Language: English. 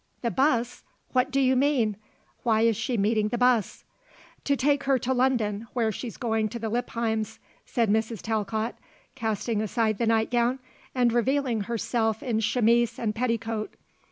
"The bus? What do you mean? Why is she meeting the bus?" "To take her to London where she's going to the Lippheims," said Mrs. Talcott, casting aside the nightgown and revealing herself in chemise and petticoat.